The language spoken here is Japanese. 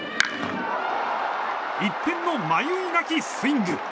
一片の迷いなきスイング。